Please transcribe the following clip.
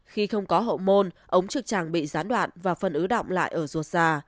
khi không có hậu môn ống trực tràng bị gián đoạn và phân ứ động lại ở ruột già